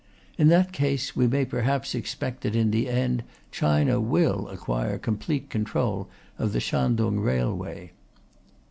In that case, we may perhaps expect that in the end China will acquire complete control of the Shantung railway.